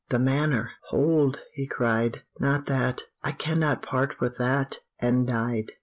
"The manor! hold!" he cried, "Not that; I cannot part with that!" and died!